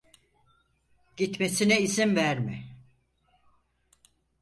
Gitmesine izin verme!